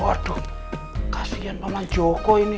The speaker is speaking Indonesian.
waduh kasian mama joko ini